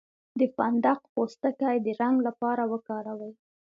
د فندق پوستکی د رنګ لپاره وکاروئ